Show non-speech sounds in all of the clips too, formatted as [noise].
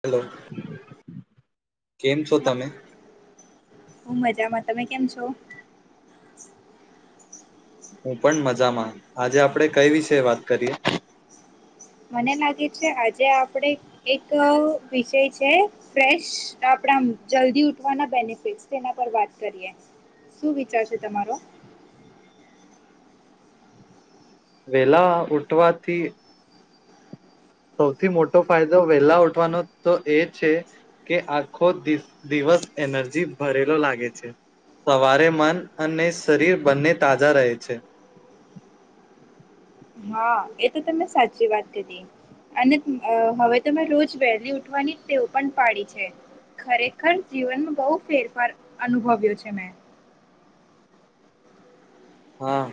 Hello કેમ છો તમે? હુ મજામાં તમે કેમ છો? હું પણ મજામાં આજે આપણેે કઈ વિશે વાત કરીએ. મને લાગે છે આજે આપણે એક વિષય છે ફ્રેશ આપણા જલ્દી ઉઠવાના બેનિફિટસ તેના પર વાત કરીએ શું વિચારશે તમારો. વેલા ઉઠવાથી સૌથી મોટો ફાયદો વહેલા ઉઠવાનો તો એ છે કે આખો દિસ દિવસ એનર્જી ભરેલો લાગે છે સવારે મન અને શરીર બંને તાજા રહે છે. હા એ તો તમે સાચી વાત કરી અને હવે તો મે રોજ વહેલી ઉઠવાની ટેવ પણ પાડી છે ખરેખર જીવનમાં બહુ ફેરફાર અનુભવ્યો છે મેં. હા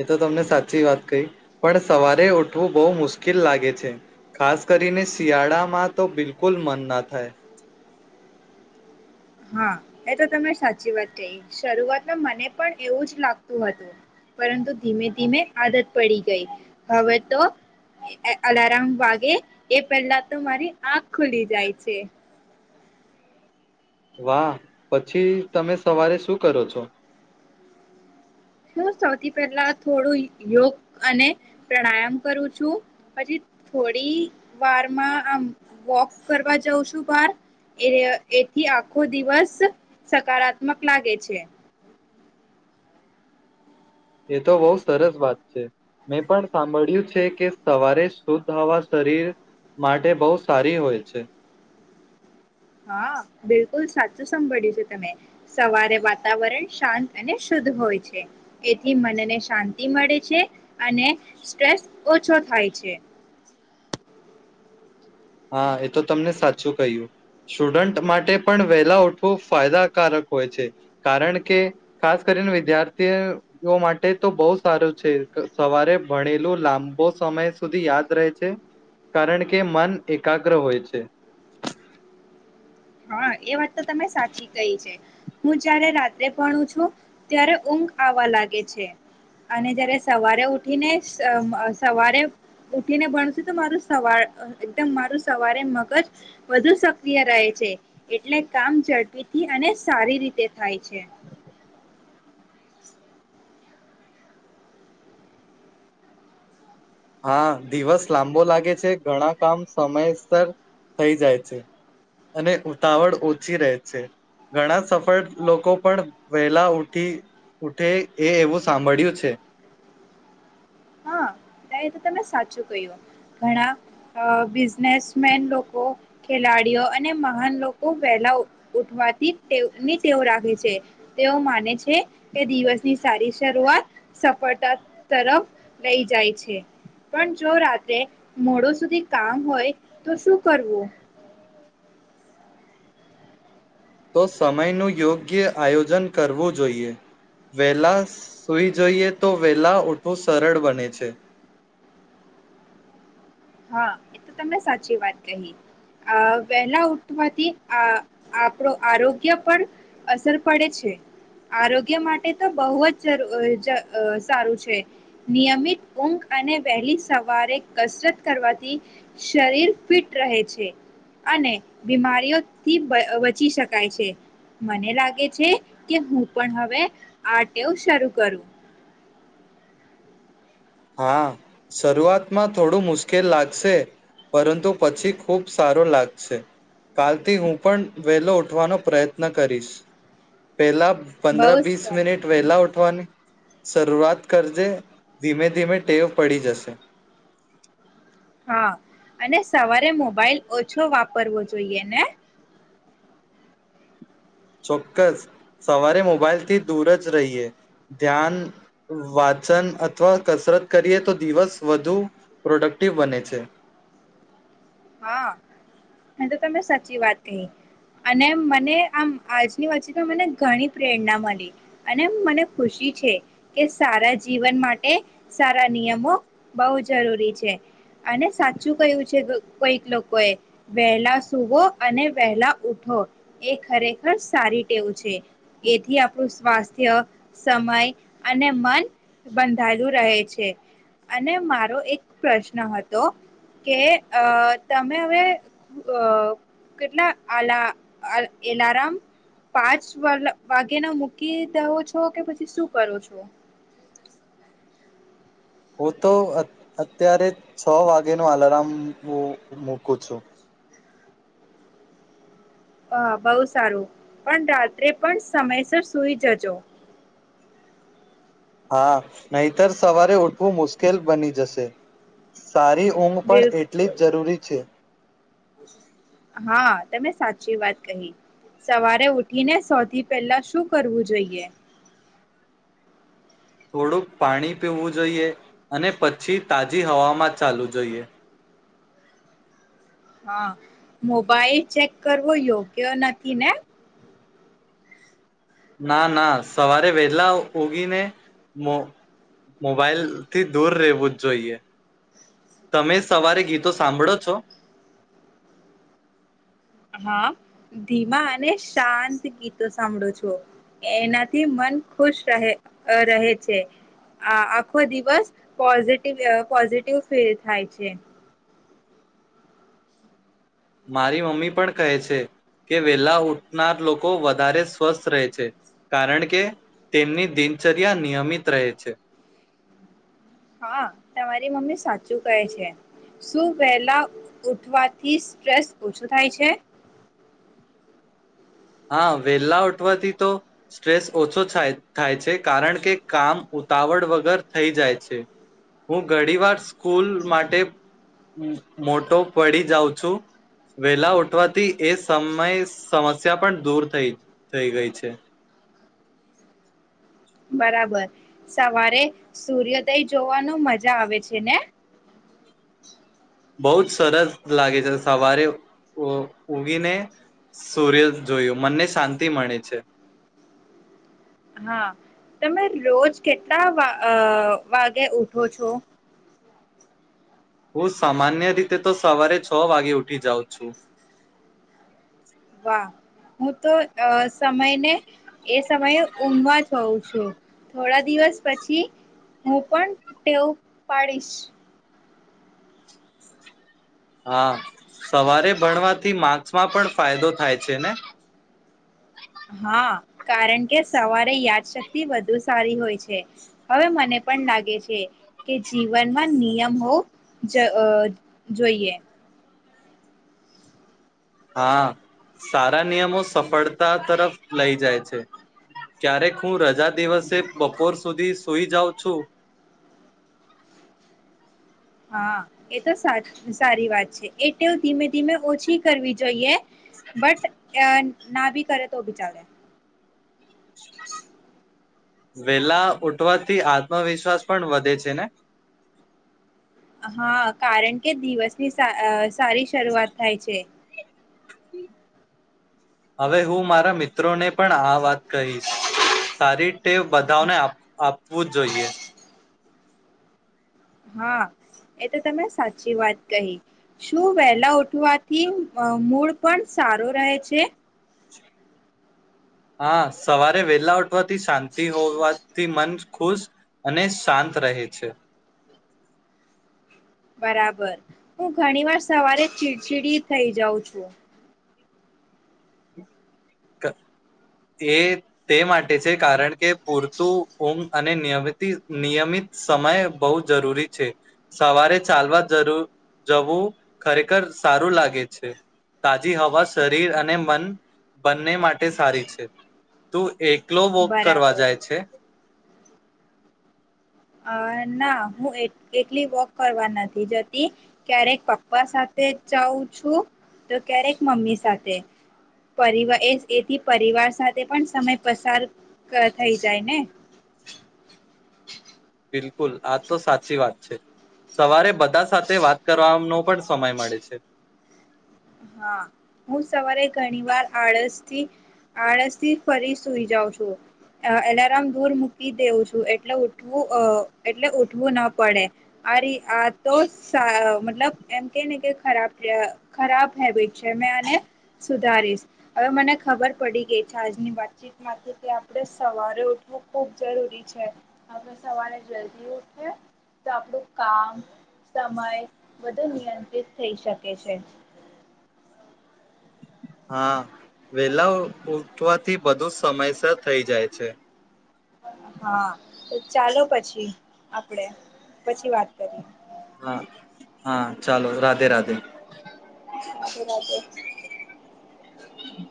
એ તો તમને સાચી વાત કહી પણ સવારે ઉઠવું બહુ મુશ્કેલ લાગે છે ખાસ કરીને શિયાળામાં તો બિલકુલ મન ના થાય. હા એ તો તમે સાચી વાત કહી શરૂઆતમાં મને પણ એવું જ લાગતું હતું પરંતુ ધીમે ધીમે આદત પડી ગઈ હવે તો એ અલારમ વાગે એ પહેલા તો મારી આંખ ખુલી જાય છે. વાહ પછી તમે સવારે શું કરો છો. હું સૌથી પહેલા થોડું યોગ અને પ્રાણાયામ કરું છું પછી થોડી વારમાં આમ વોક કરવા જઉં છું બાર એ એથી આખો દિવસ સકારાત્મક લાગે છે. એ તો બહુ સરસ વાત છે મેં પણ સાંભળ્યું છે કે સવારે શુદ્ધ હવા શરીર માટે બહુ સારી હોય છે. હા બિલકુલ સાચું સાંભળ્યું છે તમે સવારે વાતાવરણ શાંત અને શુદ્ધ હોય છે એથી મનને શાંતિ મળે છે અને સ્ટ્રેસ ઓછો થાય છે. હા એ તો તમને સાચું કહ્યું સ્ટુડન્ટ માટે પણ વહેલા ઉઠવું ફાયદાકારક હોય છે કારણ કે ખાસ કરીને વિદ્યાર્થીઓ માટે તો બહુ સારું છે સવારે ભણેલું લાંબો સમય સુધી યાદ રહે છે કારણ કે મન એકાગ્ર હોય છે. હા એ વાત તો તમે સાચી કહી છે હું જયારે રાત્રે ભણું છું ત્યારે ઊંઘ આવવા લાગે છે અને જયારે સવારે ઉઠીને સવારે ઉઠીને ભણ છું તો મારું સવાર એકદમ મારું સવારે મગજ વધુ સક્રિય રહે છે. એટલે કામ ઝડપીથી અને સારી રીતે થાય છે. [inaudible] હા દિવસ લાંબો લાગે છે ઘણા કામ સમયસર થઈ જાય છે અને ઉતાવળ ઓછી રહે છે ઘણા સફળ લોકો પણ વહેલા ઉઠી ઉઠે એ એવું સાંભળ્યું છે. હા તમે સાચું કહ્યું ઘણા બિઝનેસમેન લોકો ખેલાડીઓ અને મહાન લોકો વહેલા ઉઠવાથીની વ રાખે છે તેઓ માને છે કે દિવસની સારી શરૂઆત સફળતા તરફ લઈ જાય છે. પણ જો રાત્રે મોડો સુધી કામ હોય તો શું કરવું. તો સમયનું યોગ્ય આયોજન કરવું જોઈએ વેલા સુઈ જોઈએ તો વેલા ઉઠવું સરળ બને છે. હા એ તો તમે સાચી વાત કહી આ વહેલા ઉઠવાથી આ આપણો આરોગ્ય પર અસર પડે છે આરોગ્ય માટે તો બહુ જ સારું છે નિયમિત ઊંઘ અને વહેલી સવારે કસરત. કરવાથી શરીર ફિટ રહે છે અને બીમારી થી બચી શકાય છે મને લાગે છે હા શરૂઆતમાં થોડું મુશ્કેલ લાગશે પરંતુ પછી ખુબ સારુ લાગશે કાલથી હું પણ વેલો ઉઠવાનો પ્રયત્ન કરીશ પેલા. બહુ પંદર જ વીસ સારું મિનિટ વહેલા ઉઠ. ઉઠવાની ની શરૂઆત કરજે ધીમે. ધીમે ટેવ પડી જશે. હા અને સવારે મોબાઈલ ઓછો વાપરવો જોઈએ ને. ચોક્કસ સવારે મોબાાઈલથી દૂર જ રહીએ ધ્યાન વાચન અથવા કસરત કરીએ તો દિવસ વધુ પ્રોડક્ટિવ બને છે. હા. તો તમે સાચી વાત કહી અને મને આમ આજની વચ્ચે તો મને ઘણી પ્રેરણા મળી અને મને ખુશી છે કે સારા જીવન માટે સારા નિયમો બહુ જરૂરી છે. અને સાચું કયું છે. કઈક લોકો એ વહેલા સૂવો અને વહેલા ઉઠો એ ખરેખર સારી ટેવું છે. એથી આપણું. સ્વાસ્થ્ય સમય અને મન બંધાયેલું રહે છે અને મારો એક પ્રશ્ન હતો કે. અ તમે હવે કેટલા અ એલારમ. પાંચ વ વાગે ના મૂકી દવો છો કે પછી શું કરો છો. હું તો અ અત્યારે છ વાગેનો આલાર્મ હું મૂકું છું. હા બહુ સારું, પણ રાત્રે પણ સમયસર સુઈ જજો. હા નહીંતર સવારે ઉઠવું મુશ્કેલ બની જશે. સારી ઊંઘ પણ એટલી બિલકુલ જ જરૂરી છે. હા તમે સાચી વાત કહી, સવારે ઉઠીને સૌથી પહેલા શું કરવું જોઈએ? થોડુંક પાણી પીવું જોઈએ અને પછી તાજી હવામાં ચાલવું જોઈએ. હા, મોબાઈલ ચેક કરવો યોગ્ય નથી ને? ના, ના સવારે વહેલા ઊંગીને મો મોબાઈલ થી દૂર રહેવું જ જોઈએ. તમે સવારે ગીતો સાંભળો છો? હા ધીમા અને શાંત ગીતો સાંભળું છું. એનાથી મન ખુશ રહે અહ રહે છે. આખો દિવસ પોઝિટીવ પોઝિટિવ ફીલ થાય છે. મારી મમ્મી પણ કહે છે કે વહેલા ઊઠનાર લોકો વધારે સ્વસ્થ રહે છે, કારણ કે તેમની દિનચર્યા નિયમિત રહે છે. હા તમારી મમ્મી સાચું કહે છે. શું વહેલા ઉઠવાથી સ્ટ્રેસ ઓછું થાય છે? હા વેલા ઉઠવાથી તો સ્ટ્રેસ ઓછો થાય થાય છે કારણ કે કામ ઉતાવળ વગર થઈ જાય છે. હું ઘણી વાર સ્કૂલ માટે મોટો પડી જાઉં છું, વેલા ઉઠવાથી એ સમય સમ સ્યા પણ દૂર થઈ થઈ ગઈ છે. બરાબર, સવારે સૂર્યોદય જોવાનું મજા આવે છે ને? બહું જ સરસ લાગે છે સવારે ઊંઘીને સૂર્ય જોયું મનને શાંતિ મળે છે. હા, તમે રોજ કેટલા વા અહ વાગે ઉઠો છો? હું સામાન્ય રીતે તો સવારે છ વાગે ઉઠી જાઉં છું. હા, હું તો અહ સમયને એ સમયે ઊંઘમાંજ હોઉં છું. હમ્મ. થોડા દિવસ પછી હું પણ ટેવ પાડીશ. હા સવારે ભણવાથી માર્ક્સમાં પણ ફાયદો થાય છે ને? હા કારણ કે સવારે યાદશક્તિ વધુ સારી હોય છે. હવે મને પણ લાગે છે કે જીવનમાં નિયમ હોવું જ અહ જોઈએ. હા સારા નિયમો સફળતા તરફ લઈ જાય છે ક્યારેક હું રજા દિવસે બપોર સુધી સુઈ જાઉં છું. હા એ તો સારી વાત છે એવ ધીમે ધીમે ઓછી કરવી જોઈએ. બટ અ. ના ભી કરે તો ભી ચાલે. વેલા ઉઠવાથી આત્મવિશ્વાસ પણ વધે છે ને. હા કારણ કે દિવસની સારી શરૂઆત થાય છે. હવે હું મારા મિત્રોને પણ આ વાત કહીશ સારીીતે બધાને આપવું જોઈએ. હા એ તો તમે સાચી વાત કહી શું વહેલા ઉઠવાથી મૂળ પણ સારો રહે છે. હા સવારે વેલાટ. વાથી શાંતિ હોવા. થી મન ખુશ અને શાંત રહે છે. બરાબર હું ઘણી વાર સવારે. ચીડચીડી થઈ જાઉં છું. છે. એ તે માટે છે કારણ કે પૂરતું ઊંઘ અને નિયમિત નિયમિત સમય બહુ જરૂરી છે સવારે ચાલવા જરૂર જવું ખરેખર સારું લાગે છે તાજી હવા શરીર અને મન. બંને માટે સારી છે તું એક. ક્લો વોક કરવા બરાબર જાય છે. અ ના હું એટલી વોક કરવા નથી જતી ક્યારેક પપ્પા સાથે જાઉં છું તો ક્યારેક મમ્મી સાથે પરવાર એથી પરિવાર સાથે પણ સમય પસાર થઈ જાય ને. બિલકુલ આ તો સાચી વાત છે સવારે બધા સાથે વાત કરવાનો પણ સમય મળે છે. હા હું સવારે ઘણી વાર આળસથી આળસથી ફરી સુઈ જાઉં છું એલાર્મ દૂર મૂકી દેઉં છું એટલે ઉઠવું એટલે ઉઠવું ના પડે આ આ તો મતલબ એમ કેને કે ખરાબ ખરાબ. હેબિટ છેને સુધારીશ હવે મને ખબર પડી ગઈ છે આજની વાતચીતમાંથી કે આપણે સવારે ઉઠવું ખૂબ જરૂરી છે આપણે સવારે જલ્દી ઉઠ તો આપણું કામ સમય બધું નિયંત્રિત થઈ શકે છે. હા વેલા ઉઠવાથી બધું સમયસર થઇ જાય છે. હા ચાલો પછી આપડે પછી વાત કરીએ. હા હા ચાલો રાધે રાધે. રાધે રાધે હમ્મ.